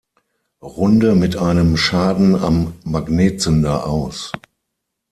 Runde mit einem Schaden am Magnetzünder aus.